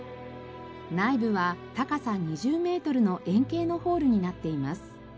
内部は高さ２０メートルの円形のホールになっています。